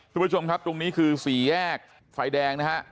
คุณผู้ชมครับตรงนี้คือสี่แยกไฟแดงนะฮะ